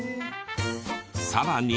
さらに。